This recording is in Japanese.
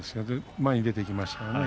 前に出ていきました。